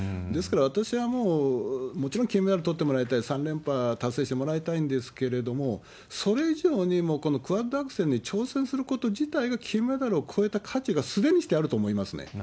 ですから、私はもう、もちろん金メダルとってもらいたい、３連覇達成してもらいたいんですけれども、それ以上にもうこのクワッドアクセルに挑戦すること自体が金メダルを超えた価値が、すでにしてあると思いますよね。